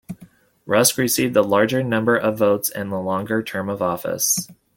Rusk received the larger number of votes and the longer term of office.